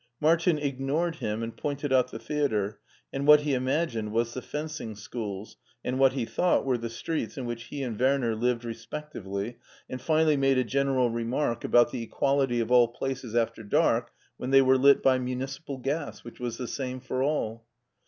Martin ignored him and pointed out the theater, and what he imagined was the fencing schools, and what he thought were the streets in whidi he and Werner lived respec tively, and finally made a general remark about the 26 MARTIN SCHULER equality of all places after dark when they were lit by municipal gas, which was the same for all.